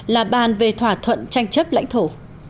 là ban về thỏa thuận tranh chấp lãnh thổ